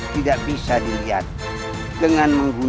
tidak tuhan tidak mau